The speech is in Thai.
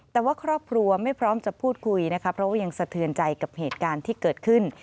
แต่ว่าครอบครัวไม่พร้อมจะพูดคุยนะคะเพราะว่ายังสะเทือนใจกับเหตุการณ์ที่เกิดขึ้น